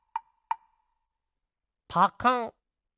パカン。